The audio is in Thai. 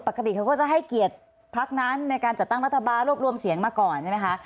เขาก็จะให้เกียรติพักนั้นในการจัดตั้งรัฐบาลรวบรวมเสียงมาก่อนใช่ไหมคะ